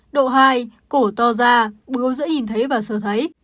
độ hai cổ to ra bướu dễ nhìn thấy và sờ thấy